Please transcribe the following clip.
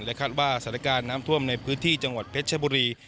คาดว่าสถานการณ์น้ำท่วมในพื้นที่จังหวัดเพชรชบุรี